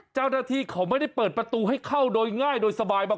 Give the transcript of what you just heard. เจ้าหน้าที่เขาไม่ได้เปิดประตูให้เข้าโดยง่ายโดยสบายบาง